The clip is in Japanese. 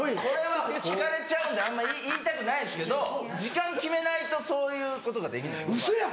これは引かれちゃうんであんま言いたくないんですけど時間決めないとそういうことができないです。